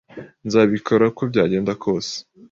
Nzabikora uko byagenda kose.